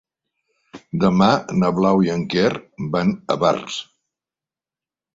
Demà na Blau i en Quer van a Barx.